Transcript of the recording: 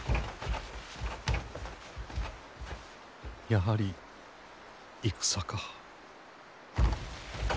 やはり戦か。